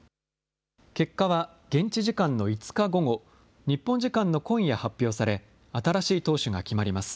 結果は現地時間の５日午後、日本時間の今夜発表され、新しい党首が決まります。